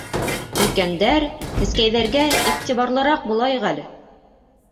Өлкәндәр, кескәйҙәргә иғтибарлыраҡ булайыҡ әле!